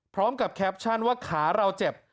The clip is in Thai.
พร้อมกับแคปชั่นว่าขาเราเจ็บ